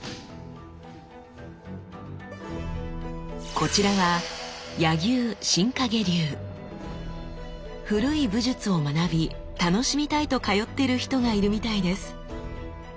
こちらは古い武術を学び楽しみたいと通ってる人がいるみたいです。